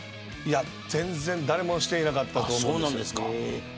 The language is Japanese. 全然、誰もしていなかったと思います。